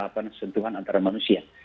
penentuan antara manusia